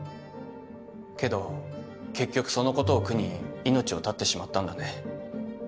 けど結局そのことを苦に命を絶ってしまったんだね。